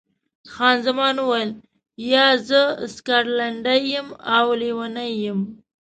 خان زمان وویل، یا، زه سکاټلنډۍ یم او لیونۍ یم.